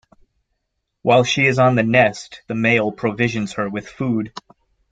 While she is on the nest, the male provisions her with food.